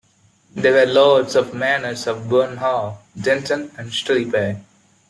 They were lords of the manors of Burne Hall, Denton and Saleby.